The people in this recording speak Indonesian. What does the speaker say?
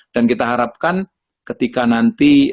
dan kita harapkan ketika nanti